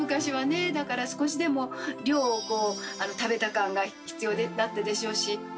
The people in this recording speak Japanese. だから少しでも量をこう食べた感が必要だったでしょうし。